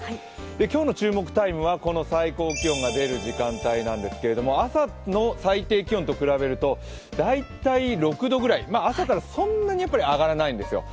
今日の注目タイムは最高気温の出る時間帯なんですけど朝の最低気温と比べると、大体６度ぐらい、朝からそんなに上がらないんですよ。